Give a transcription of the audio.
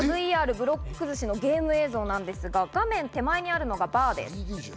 ブロック崩しのゲーム映像なんですが、画面手前にあるのがバーです。